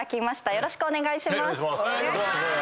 よろしくお願いします。